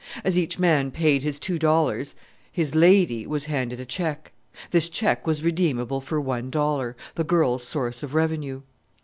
As each man paid his two dollars his "lady" was handed a check. This check was redeemable for one dollar the girls' source of revenue!